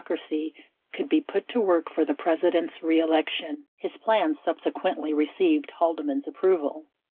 368 reaucracy could be put to work for the President's reelection. His plan subsequently received Haldeman's approval.